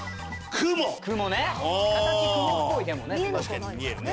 形雲っぽいでもね。